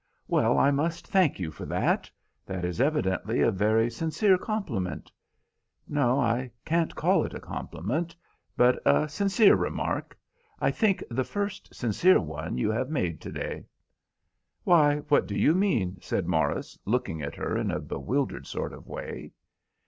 Well, I must thank you for that. That is evidently a very sincere compliment. No, I can't call it a compliment, but a sincere remark, I think the first sincere one you have made to day." "Why, what do you mean?" said Morris, looking at her in a bewildered sort of way.